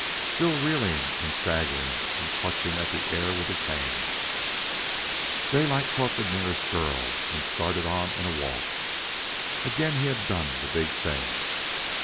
Still reeling and staggering and clutching at the air with his hands, Daylight caught the nearest girl and started on in a waltz. Again he had done the big thing.